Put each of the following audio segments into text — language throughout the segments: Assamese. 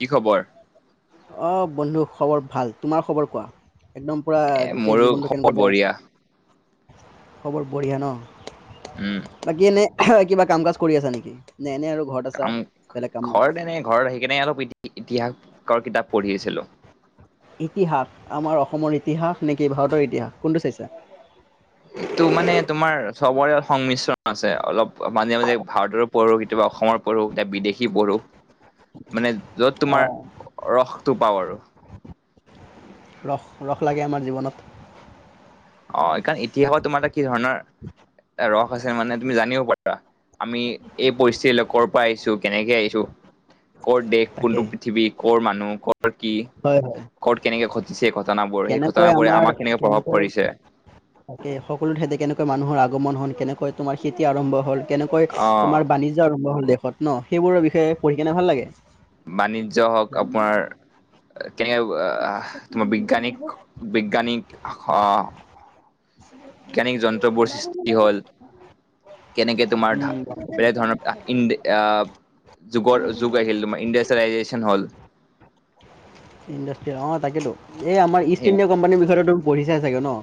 কি খবৰ? অঁ বন্ধু খবৰ ভাল। তোমাৰ খবৰ কোৱা? একদম পুৰা এ গোটেই মোৰো জীৱনটো কেনেকুৱা খবৰ যাই আছে? বঢ়িয়া। খবৰ বঢ়িয়া ন? উম, বাকী এনে কিবা কাম কাজ কৰি আছা নেকি? নে এনে আৰু ঘৰত আছা কাম বেলেগ কাম নাই ঘৰ তেনে ঘৰত সেই কেনে অলপ পিধ ইতিহাসৰ কিতাপ পঢ়ি আছিলোঁ। ইতিহাস আমাৰ অসমৰ ইতিহাস নেকি ভাৰতৰ ইতিহাস কোনটো চাইছে? এইটো মানে তোমাৰ চবৰে ইয়াত সংমিশ্ৰণ আছে অলপ মাজে মাজে ভাৰতৰো পঢ়ো কেতিয়াবা অসমৰ পঢ়ো। এতিয়া বিদেশ দেখি পঢ়ো। মানে যত অ তোমাৰ ৰসটো পাওঁ আৰু। ৰস ৰস লাগে আমাৰ জীৱনত। অ, এই কাৰণ ইতিহাসত তোমাৰ এটা কি ধৰণৰ ৰস আছে মানে তুমি জানিব পাৰা। আমি এই পৰিস্থিতি লৰ পৰা আহিছো কেনেকে আহিছো। কত দেশ তাকে কোনটো পৃথিৱী ক মানুহ কৰ কি হয় হয় ক'ত কেনেকে ঘটিছে ঘটনাবোৰ সেই ঘটন কেনেকৈ বোৰে আমাৰ আমাক কেনেকে প্ৰভাৱ কেনেকৈ পৰিছে। তাকে সকলো ঠেতে কেনেকৈ মানুহৰ আগমন হল কেনেকৈ তোমাৰ খেতি আৰম্ভ হ'ল কেনেকৈ অ', তোমাৰ বাণিজ্য আৰম্ভ হল দেশত ন সেইবোৰৰ বিষয়ে পঢ়ি কেনে ভাল লাগে। বাণিজ্য হওক জানি কেনে ভাল আপোনাৰ লাগে কেনে তোমাৰ বিজ্ঞানিক বিজ্ঞানিক অ। বৈজ্ঞানিক যন্ত্ৰবোৰ সৃষ্টি হ'ল। কেনেকে তোমাৰা উম বেলেগ ধৰণৰ ই আহ যুগৰ যুগ আহিল। তোমাৰ ইণ্ডাষ্ট্ৰিয়েলাইজেচন হ'ল। [unintelligible] ইণ্ডাষ্ট্ৰ অ, তাকেতো এই আমাৰ সেই ইষ্ট ইণ্ডিয় কোম্পানীৰ বিষয়েটো তুম পঢ়ি চাই চাগে ন?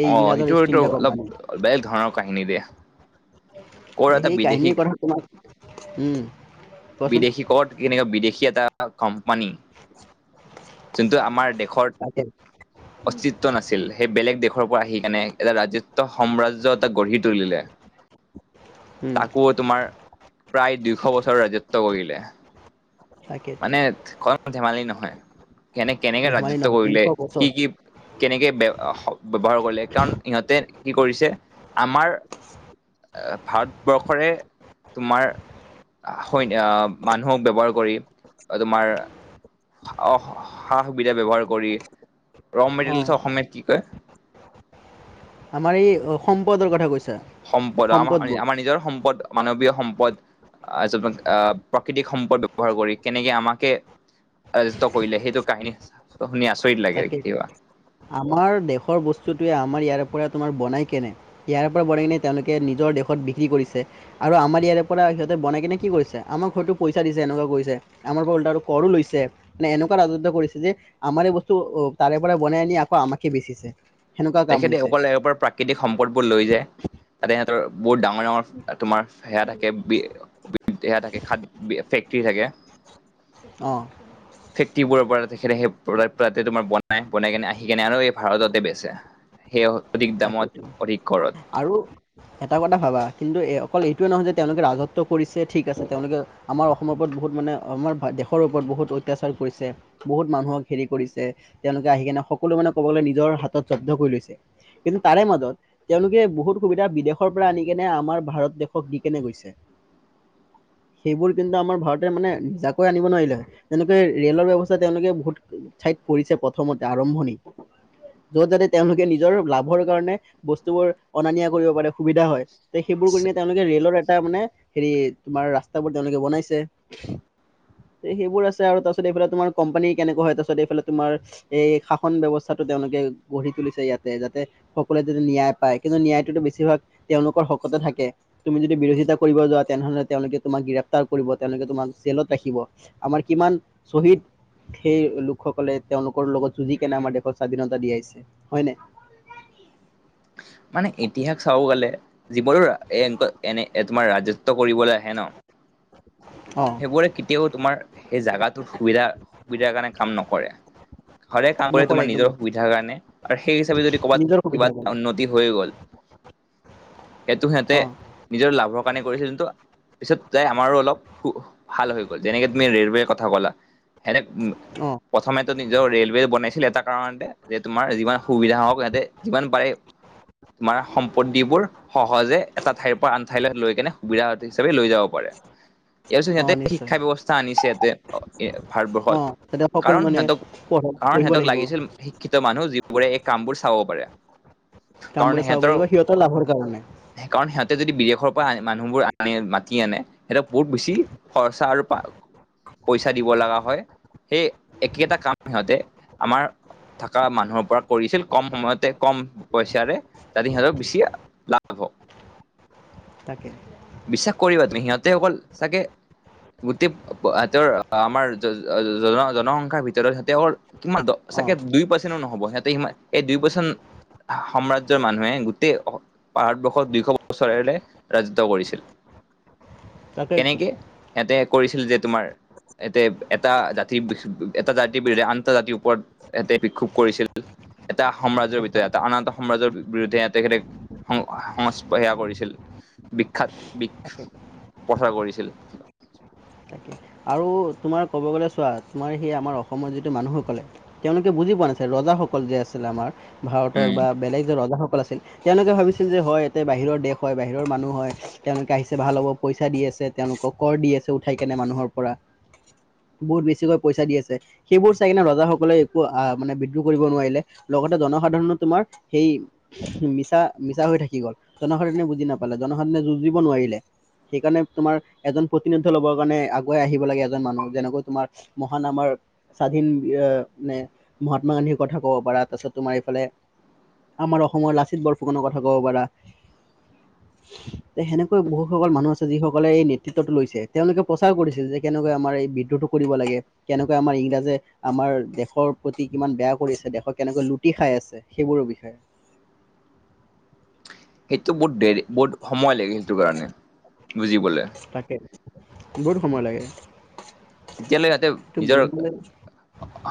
এই অ, ইংৰাজৰ ইষ্ট সেইটোতটো ইণ্ডিয়া অলপ কোম্পানী বেলেগ ধৰণৰ কাহিনী দিয়ে। সেই কাহিনীৰ কথা তোমাক উম, কোৱাচোন বিদেশী কত কেনেকুৱা বিদেশী এটা কোম্পানী যোনটো আমাৰ দেশ তাকে অস্তিত্ব নাছিল। সেই বেলেগ দেশ পৰা আহি কেনে এটা ৰাজত্ব সাম্ৰাজ্য এটা গঢ়ি তুলিলে। উম তাকো তোমাৰ প্ৰায় দুশ বছৰ ৰাজত্ব কৰিলে। তাকেতো মানে কম ধেমালি নহয়। কেনে কেনেকে ধেমালি ৰাজত্ব নহয় দুইশ কৰিলে বছৰ সি কি কেনেকে সদ ব্যৱহাৰ কৰিলে কাৰণ সহঁতে কি কৰিছে আমাৰ ভাৰত বৰ্ষৰে তোমাৰ- আহ মানুহক ব্যৱহাৰ কৰি তোমাৰ- সা সুবিধা ব্যৱহাৰ কৰি অ ৰমেটেৰিয়েল অসমীয়াত কি কয়? আমাৰ এই সম্পদৰ কথা কৈছে,, সম্পদ আমাৰ আমাৰ নিজৰ সম্পদ- মানৱীয় সম্পদ আহ প্ৰাকৃতিক সম্পদ ব্যৱহাৰ কৰি কেনেকে আমাকে- আয়োজিত কৰিলে সেইটো কাহিনী শুনি আছো। তাকেই, আমাৰ দেশৰ বস্তুটোয়ে আমাৰ ইয়াৰ পৰা তোমাৰ বনাই কেনে ইয়াৰে পৰা বনাই কেনে তেওঁলোকে নিজৰ দেশত বিক্ৰী কৰিছে আৰু আমাৰ। ইয়াৰে পৰা সিহঁতে বনাই কিনে কি কৰিছে আমাৰ ঘৰতো পইচা দিছে এনেকুৱা কৰিছে আমাৰ পৰা ল কৰো লৈছে এনেকুৱা ৰাজত্ব কৰিছে যে আমাৰে বস্তু তাৰে পৰা বনাই আনি আকৌ আমাকে বেচিছে। সেনেকুৱা কাম তেখেতে হৈছে অকল প্ৰাকৃতিক সম্পদবোৰ লৈ যায় তাতে সিহঁতৰ। বহুত ডাঙৰ ডাঙৰ তোমাৰ সেয়া থাকে বি সেয়া থাকে খাদ ফেক্টৰী থাকে। [unintelligible] [inaudible] ফেক্টিবোৰৰ পৰা তে তোমাৰ পৰা নাই বনাই কেনে আহি কেনে আৰু এই ভাৰততে বেছে সেইয় তাকেটো, আৰু এটা কথা ভাবা কিন্তু অকল এইটোৱে নহয় যে তেওঁলোকে ৰাজত্ব কৰিছে ঠিক আছে তেওঁলোকে আমাৰ অসমৰ ওপৰত বহুত মানে আমাৰ দেশৰ ওপৰত বহুত অত্যাচাৰ কৰিছে, বহুত মানুহক হেৰি কৰিছে, তেওঁলোকে আহি কেনে সকলো মানে ক'ব গলে নিজৰ হাতত কৰি লৈছে। কিন্তু তাৰে মাজত তেওঁলোকে বহুত সুবিধা বিদেশৰ পৰা আনি কেনে আমাৰ ভাৰত দেশক দি কেনে গৈছে। [unintelligible] সেইবোৰ কিন্তু আমাৰ ভাৰতে মানে নিজাকৈ আনিব নোৱাৰিলে, যেনেকে ৰেলৰ ব্যৱস্থা তেওঁলোকে বহুত- ঠ পৰিছে প্ৰথমতে আৰম্ভণি, যত যাতে তেওঁলোকে নিজৰ লাভ- কাৰণে বস্তুবোৰ অনা নিয়া কৰিব পাৰে সু, বিধা হয় তে সেইবোৰ কৰিনে তেওঁলোকে ৰে'লৰ এটা মানে হেৰি তোমাৰ ৰাস্তাবোৰ তেওঁলোকে বনাইছে। সেইবোৰ আছে আৰু তাৰ পিছত এইফালে তোমাৰ কোম্পানী কেনেকুৱা হয় তাৰ পিছত এইফালে তোমাৰ এই শাসন বিৱস্থা তেওঁলোকে গঢ়ি তুলিছে ইয়াতে যাতে, - সকলোৱে যদি ন্যায় পায় কিন্তু ন্যায়টোতো বেছিভাগ তেওঁলোকৰ শকতে থাকে তুমি যদি বিৰোধিতা কৰিব। তেনেহলে তেওঁলোকে তোমাক গ্ৰেপ্তাৰ কৰিব, তেওঁলোকে তোমাক জেলত ৰাখিব আমাৰ কিমান শ্বহীদ সেই লোকসকলে তেওঁলোকৰ লগত যুঁজি কেনে দেশৰ স্বাধীনতা দিয়াইছে হয় নাই? [unintelligible] মানে ইতিহাস চাব গলে যিবোৰো এ এনে তোমাৰ ৰাজত্ব কৰিবলৈ আহে ন? অ অ সেইবোৰে কেতিয়াও তোমাৰ সেই জাগাটোৰ সুবিধা সুবিধাৰ কাৰণে কাম নকৰে। ঘৰে কাম কৰে নকৰে তোমাৰ একদম নিজৰ সুবিধাৰ কাৰণে আৰু সেই হিচাপে যদি ক'ৰবাত নিজৰ সুবিধা কিবা কৰে এটা উন্নতি হৈ গ'ল। সেইটো সিহঁতে অঁ নিজৰ লাভৰ কাৰণে কৰিছিল ত পিছত যাই আমাৰো অলপ- ভাল হৈ গ'ল যেনেকে তুমি ৰেলৱে কথা ক'লা হেনেক- অঁ প্ৰথমে টো নিজৰ ৰেলৱে বনাইছিল এটা কাৰণতে যে তোমাৰ যিমান সুবিধা হওক সিহতে যিমান পাৰে। তোমাৰ সম্পত্তিবোৰ সহজে এটা ঠাইৰ পৰা আন ঠাইলৈ লৈ কেনে সুবিধা হিচাপে লৈ যাব পাৰে। [unintelligible] ইয়াৰ পিছত ইয়াতে নিশ্চয় শিক্ষা ব্যৱস্থা আনিছে ইয়াতে ভাৰতবৰ্ষত। অঁ তাতে সকলো কাৰণ মানে সিহঁতক পঢ়ক কাৰণ পঢ়িব সিহতক লাগিব লাগিছিল শিক্ষিত মানু্হ যিবোৰ বোৰে এই কামবোৰ চাব পাৰে। কাৰণ কামবোৰ চাব সিহঁতৰ পাৰিব লাভৰ কাৰণে কাৰণ সিহঁতে যদি বি বিদেশৰ পৰা মানুহবোৰ আনি মাতি আনে সিহঁতক বহুত বেছি খৰচা আৰু পইচা দিব লগা হয় সেই একেটা কাম সিহঁতে আমাৰ থকা মানুহৰ পৰা কৰিছিল কম সময়তে কম পইচাৰে যাতে সিহঁতক বেছি লাভ হ তাকে। বিশ্বাস কৰিবা তুমি সিহঁতে অকল চাগে গোটেই সেতৰ আমাৰ জন জনসংখ্যাৰ ভিতৰত সেতৰ কিমান অঁ চাগে দুই পাৰ্চেনো নহব সিহঁতে এই দুই পাৰ্চেণ্ট সাম্ৰাজ্যৰ মানুহে গোটেই ভাৰতবৰ্ষত দুইশ বছৰেৰে ৰাজত্ব কৰিছিল। তাকেইতো কেনেকে ইহঁতে কৰিছিল যে তোমাৰ এতে এটা জাতিৰ এটা জাতিৰ বিৰুদ্ধে আন'তা জাতিৰ ওপৰত এতে বিক্ষোভ কৰিছিল। এটা সাম্ৰাজ্যৰ ভিতৰত একদম এটা আন এটা সম্ৰাজৰ বিৰুদ্ধে তেখেতে সং সংস্প সেয়া কৰিছিল বিখ্যাত বিষ তাকে পঠাৰ কৰিছিল। তাকে আৰু তোমাৰ ক'ব গ'লে চোৱা তোমাৰ সেই আমাৰ অসমৰ যিটো মানুহসকলে তেওঁলোকে বুজি পোৱা নাছিল ৰ কল যে আছিল আমাৰ ভাৰতৰ উম বা বেলেগ যে ৰ আছিল তেওঁলোকে ভাবিছিল যে হয় এয়াতে বাহিৰৰ দেশ হয় বাহিৰৰ মানুহ হয়, তেওঁলোকে আহিছে ভাল হ'ব, পইচা দিয়ে ছে তেওঁলোকক কৰ দি আছে উঠাই কেনে মানুহৰ পৰা বহুত বেছিকৈ পইচা দি আছে সেইবোৰ চাই কিনে ৰজাাসকলে একো আহ মানে বিদ্ৰুহ কৰিব নোৱাৰিলে। লগতে জনসাধাৰণ তোমাৰ সেই মিছা মিছা হৈ থাকি গল জনসাধাৰণে বুজি নাপালে জনসাধাৰণে যুজি'ব নোৱাৰিলে। সেইকাৰণে তোমাৰ এজন প্ৰতিনুদ্ধ ল'বৰ কাৰনে আহিব লাগে এজন মানুহ যেনেকৈ তোমাৰ মহান আমাৰ স্বাধীন মে মহাত্মা গান্ধী কথা ক'ব পাৰা তাৰপিছত তোমাৰ এইফালে আমাৰ অসমৰ লাচিত বৰফুকনৰ কথা কব পাৰা, সেনেকৈ বহুত সকল মানুহ আছে যিসকলে এই নেতৃত্বতটো লৈছে তেওঁলোকে প্ৰচাৰ কৰিছে। যে কেনেকৈ আমাৰ এই বিদ্ৰোহটো কৰিব লাগে, কেনেকৈ আমাৰ ইংৰাজে আমাৰ দেশৰ প্ৰতি কিমান বেয়া কৰিছে দেশৰ কেনেকৈ লুটি খাই আছে, সেইবোৰৰ বিষয়ে। সেইটো বহুত দেৰি বহুত সময় লাগিল সেইটো কাৰণে বুজিবলে। তাকে বহুত সময় লাগে। তেতিয়ালৈ সিহঁতে সেইটো নিজৰ বুজিবলৈ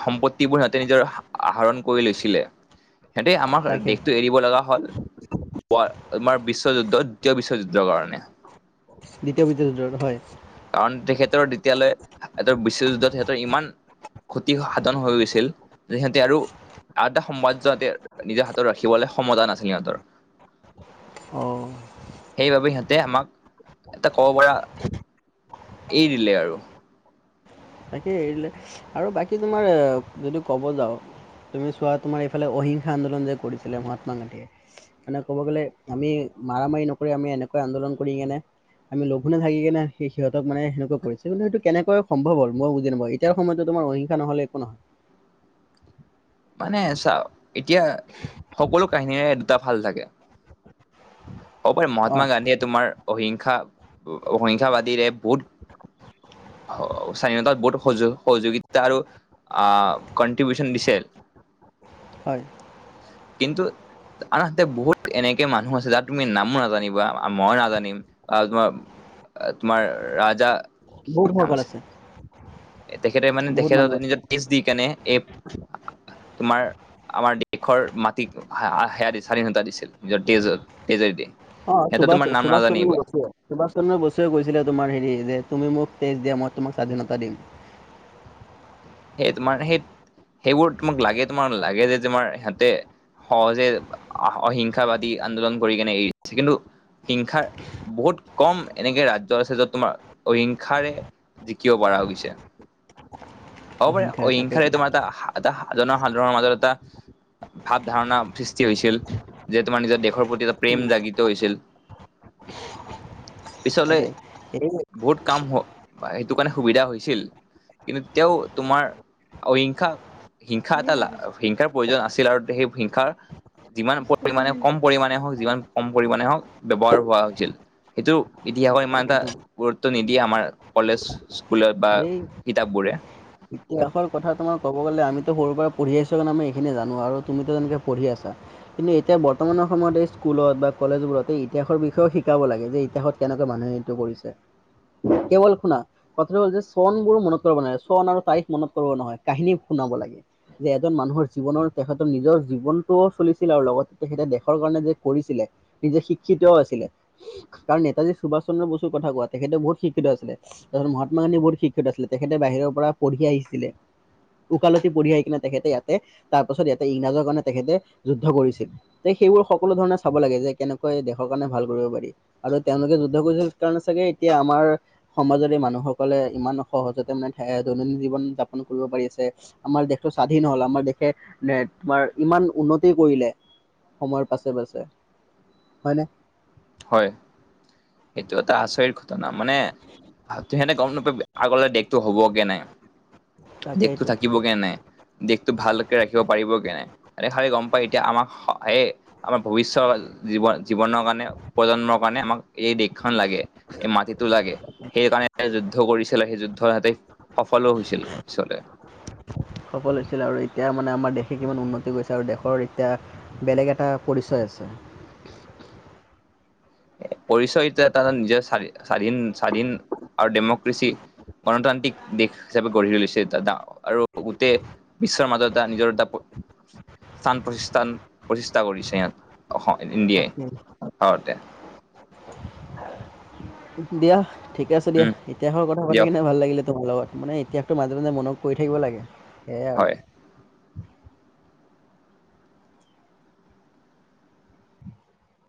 সম্পত্তিবোৰ সিহঁতে নিজৰ আহৰণ কৰি লৈছিলে। সিহঁতে আমাৰ তাকে দেশতটো এৰিব লগা হ'ল। আমাৰ বিশ্বযুদ্ধ দ্বিতীয় বিশ্বযুদ্ধৰ কাৰণে। দ্বিতীয় বিশ্বযুদ্ধৰ হয়। কাৰণ তেখেতৰ তেতিয়ালে বিশ্বযুদ্ধত তেহঁতৰ ইমান ক্ষতি সাধন হৈ গৈছিল সিহঁতে আৰু আধা সম্ৰাজ্য সিহঁতে নিজৰ হাতত ৰাখিবলৈ সমতা নাছিল সিহঁতৰ। [inaudible] সেইবাবে সিহঁতে আমাক এটা ক'ব পৰা এৰি দিলে আৰু। তাকে এৰি দিলে আৰু বাকী তোমাৰ যদি ক'ব যাওঁ তুমি চোৱা তোমাৰ এইফালে অহিংসা আন্দোলন যে কৰিছিলে মহাত্মা গান্ধীয়ে মানে ক'ব গ'লে আমি মাৰামাৰি নকৰি আমি এনেকৈ আন্দোল কৰিকেনে আমি লঘোনে থাকি কিনে সেই সিহঁতক মানে সেনেকৈ কৰিছে সেইটো কেনেকৈ সম্ভৱ হ'ল। মই বুজি নাপাওঁ এতিয়াৰ সময়তো তোমাৰ অহিংসা নহলে একো নহয়। মানে চা এতিয়া সকলো কাহিনীৰে দুটা ভাল থাকে, হ'ব পাৰে অ মহাত্মা গান্ধীয়ে তোমাৰ অহিংসা অহিংসাবাদীৰে বহুত স্বাধীনতাত বহুত সয সহযোগিতা আৰু আহ কনট্ৰিবিউশন দিছিল। হয় কিন্তু আনহাতে বহুত এনেকে মানুহ আছে তাত তুমি নামো নাজানিবা মই নাজানিম তোমাৰ তোমাৰ ৰাজ বহুত সকল আছে। তেখেতে মানে বহুত তেখেত মানুহ আছে নিজৰ তেজ দি কেনে এই তোমাৰ আমাৰ দেশৰ মাটিক সেয়া দি স্বাধীনতা দিছিল নিজৰ তেজত তেজে দিয়ে। অ সুভাষ সুভাষ চন্দ্ৰ বসুৱে সুভাষ চন্দ্ৰই বসুৱে কৈছিলে তোমাৰ হেৰি যে তুমি মোক তেজ দিয়া মই তোমাক স্বাধীনতা দিম। সে তোমাৰ সেই সেইবোৰ তোমাক লাগে তোমাৰ লাগে যে তোমাৰ হেঁতে। সহজে অহিংসাবাদী আন্দোলন কৰি কেনে এৰি দিছে কিন্তু। হিংসাৰ বহুত কম এনেকে ৰাজ্য আছে যত তোমাৰ অহিংসাৰে। জিকিঅ বাৰা হৈ গৈছে। । [unintelligible] হ'ব পাৰে অহিংসাৰে তোমাৰ এটা এটা সাধনৰ সাধাণৰ মাজত এটা। ভাৱ ধাৰণা সৃষ্টি হৈছিল। যে তোমাৰ নিজৰ দেহৰ প্ৰতি এটা প্ৰেম জাগিত হৈছিল। [unintelligible] পিছলে তাকে এই বহুত। কাম হ সেইটো কাৰণে সুবিধা হৈছিল কিন্তু তেওঁ তোমাৰ। অহিংসা হিংসা এটালা হিংসাৰ প্ৰয়োজন আছিল আৰু তেৱেই হিংসাৰ। যিমান পৰিমাণে কম পৰিমণে হওক যিমান কম পৰিমণে হওঁক ব্যৱহাৰ হোৱা হৈছিল। ইটো ইতিহাসত ইমান এটা তাকেইটো গুৰুত্ব নিদিয়ে আমাৰ কলেজ। কুলে বা কিতাপবোৰে। ত্যাগৰ কথা তোমাক। ক'ব গ'লে আমিতো সৰুৰ পৰা পঢ়ি আহিছোঁ কাৰণে আমি এইখিনি জানো আৰু তুমিতো তেনেকে পঢ়ি আছা কিন্তু এতিয়া বৰ্তমানত। এটা সময়ত এই স্কুলত বা কলেজবোৰত এই ইতিহাসৰ বিষয়েও শিকাব লাগে যে ইতিহাসত কেনেকৈ মানুহে এইটো কৰিছে। কেৱল শুনা কথা হল যে চন বোৰ মনত পেলাব নালাগে চন আৰু তাৰিখ। মনত ৰব নহয় কাহিনী শুনাব লাগে যে এজন মানুহৰ জীৱনৰ তেখেতৰ নিজৰ জীৱনটোও চলিছিল। লগত তেখেতে দেশৰ কাৰণে যে কৰিছিলে নিজে শিক্ষিতও আছিলে তাৰ নেতাজী সুভাষ। চন্দ্ৰ বসুৰ কথা কোৱা তেখেতে বহুত শিক্ষিত আছিলে মহাত্মা গান্ধী বহুত শিক্ষিত আছিলে তেখেতে বাহিৰৰ পৰা পঢ়ি আহিছিল। ছিলে। উকালতি পঢ়ি আহি কিনে তেখেতে ইয়াতে তাৰ পাছত ইয়াতে ইংৰাজৰ কাৰণে তেখেতে যুদ্ধ কৰিছিল দেই। সেইবোৰ সকলো ধৰণে চাব লাগে যে কেনেকৈ দেশৰ কাৰণে ভাল কৰিব পাৰি আৰু তেওঁলোকে যুদ্ধ কৰিছিল কাৰণে চাগে এতিয়া আমাৰ সমাজৰে মানুহসকলে ইমান সহজতে মানে থাকে দৈনন্দিন জীৱন। উদযাপন কৰিব পাৰিছে আমাৰ দেশটো স্বাধীন হল আমাৰ দেশে তোমাৰ ইমান উন্নতি কৰিলে। সময়ৰ পাছে পাছে হয়নে। হয় সেইটো এটা আচৰিত ঘটনা মানে্ তেহেঁতে গম নাপাই আগলে দেকটো হবগে নাই। দেশতো তাকেইটো থাকিবগে নাই। দেশটো ভালকে ৰাখিব পাৰিবগে নাই এনেহাৰে গম পায় এতিয়া আমাক হে আমাৰ ভৱিষ্যত। জীৱন জীৱনৰ কাৰণে প্ৰজন্মৰ কাৰণে আমাক। এই দেশখন লাগে এই মাটিতো লাগে সেইকাৰণে তেওঁ যুদ্ধ কৰিছিলে সেই যুদ্ধ হেতে। সফলো হৈছিল পিছলে। সফল হৈছিল আৰু এতিয়া মানে আমাৰ দেশে কিমান উন্নতি কৰিছে আৰু দেশৰ এতিয়া বেলেগ এটা পৰিচয় আছে।। [unintelligible] পৰিচয় হেতো এটা নিজৰ স্বাধীন স্বাধীন আৰু ডেমক্ৰেচি। গণতান্ত্ৰিক দেশ হিচাপে গঢ়ি তুলিছে এটা এটা আৰু গোটেই বিশ্বৰ মাজত এটা নিজৰ এটা। । [unintelligible] স্থান প্ৰতিষ্ঠান প্ৰতিষ্ঠা কৰিছে ইয়াত অসম। তাকে। অ দেয়া। দিয়া ঠিক আছে দিয়া উম ইতিহাসৰ কথা পাতি দিয়ক কিনে ভাল লাগিলে তোমাৰ লগত। মানে ইতিসাহটো মাজে মাজে মনত পৰি থাকিব লাগে সেয়াই আৰু। হয়